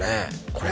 これ